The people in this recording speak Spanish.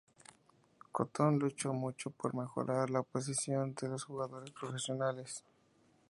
Cotton luchó mucho por mejorar la posición de los jugadores profesionales.